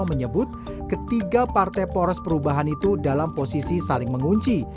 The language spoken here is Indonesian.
menyebut ketiga partai poros perubahan itu dalam posisi saling mengunci